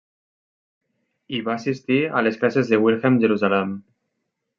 Hi va assistir a les classes de Wilhelm Jerusalem.